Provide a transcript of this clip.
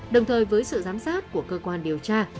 đồng thời với sự giám sát của cơ quan điều tra